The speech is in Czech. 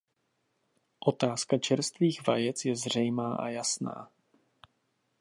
Otázka čerstvých vajec je zřejmá a jasná.